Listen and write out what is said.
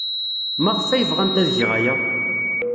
Maɣef ay bɣant ad geɣ aya?